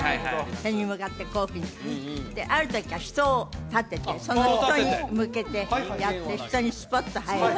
それに向かってこういうふうにあるときは人を立ててその人に向けてやって人にスポッと入るああ